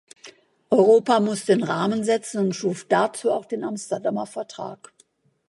Europa muss den Rahmen setzen und schuf dazu auch den Amsterdamer Vertrag.